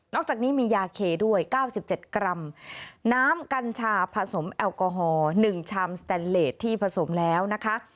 จากนี้มียาเคด้วย๙๗กรัมน้ำกัญชาผสมแอลกอฮอล๑ชามสแตนเลสที่ผสมแล้วนะคะ